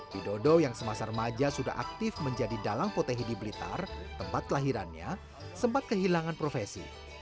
widodo yang semasa remaja sudah aktif menjadi dalang potehi di blitar tempat kelahirannya sempat kehilangan profesi